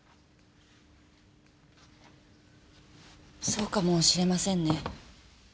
そうかもしれませんね。